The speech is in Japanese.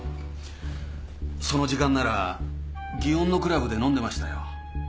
その時間なら祗園のクラブで飲んでましたよ。